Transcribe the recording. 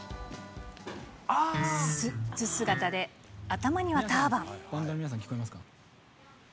スーツ姿で頭にはターバン。